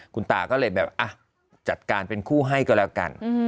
คุณตาก็เลยแบบจัดการเป็นคู่ให้ก็แล้วกัน